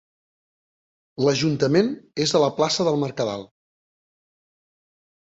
L'ajuntament és a la plaça del Mercadal.